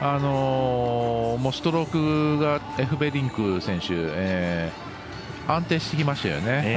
ストロークがエフベリンク選手安定してきましたよね。